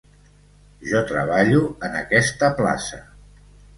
Jo treballo en aquesta plaça.